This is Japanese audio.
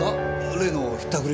例の引ったくりが？